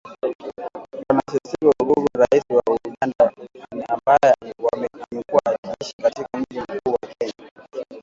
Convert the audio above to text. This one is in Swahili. Bwana Ssebbo Ogongo raia wa Uganda ambaye amekuwa akiishi katika mji mkuu wa Kenya